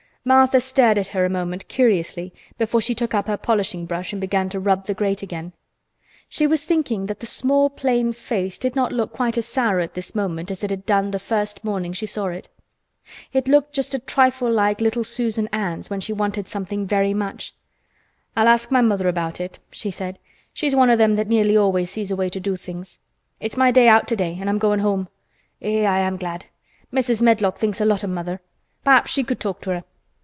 Martha stared at her a moment curiously before she took up her polishing brush and began to rub the grate again. She was thinking that the small plain face did not look quite as sour at this moment as it had done the first morning she saw it. It looked just a trifle like little Susan Ann's when she wanted something very much. "I'll ask my mother about it," she said. "She's one o' them that nearly always sees a way to do things. It's my day out today an' I'm goin' home. Eh! I am glad. Mrs. Medlock thinks a lot o' mother. Perhaps she could talk to her."